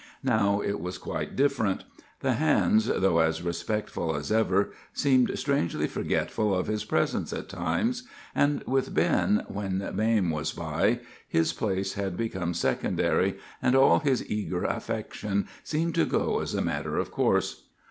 Now it was quite different. The hands, though as respectful as ever, seemed strangely forgetful of his presence at times; and with Ben, when Mame was by, his place had become secondary, and all his eager affection seemed to go as a matter of course.